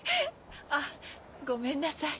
あごめんなさい。